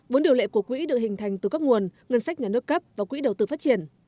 vốn điều lệ của quỹ được hình thành từ các nguồn ngân sách nhà nước cấp và quỹ đầu tư phát triển